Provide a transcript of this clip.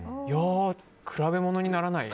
比べ物にならない。